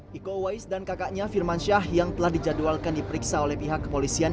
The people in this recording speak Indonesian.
hai iko wais dan kakaknya firman syah yang telah dijadwalkan diperiksa oleh pihak kepolisian